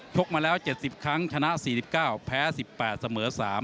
กมาแล้ว๗๐ครั้งชนะ๔๙แพ้๑๘เสมอ๓